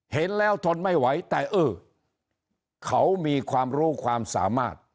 เห็นแล้วทนไม่ไหวแต่เออเขามีความรู้ความสามารถ